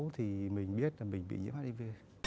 thì mình biết là mình bị nhiễm hiv